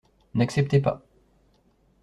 N'acceptez pas.